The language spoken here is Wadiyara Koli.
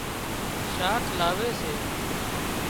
شاک لاوي سي